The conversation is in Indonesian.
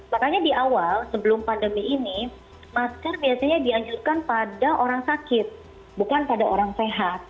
makanya di awal sebelum pandemi ini masker biasanya dianjurkan pada orang sakit bukan pada orang sehat